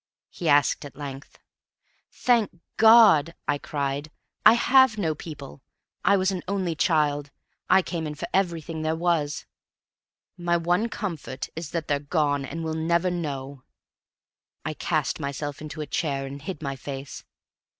he asked at length. "Thank God," I cried, "I have no people! I was an only child. I came in for everything there was. My one comfort is that they're gone, and will never know." I cast myself into a chair and hid my face.